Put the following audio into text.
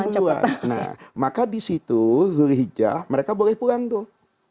nah maka disitu zul hijah mereka boleh pulang tuh